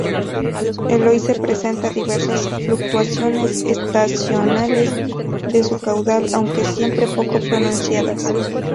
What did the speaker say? El Oise presenta diversas fluctuaciones estacionales de su caudal, aunque siempre poco pronunciadas.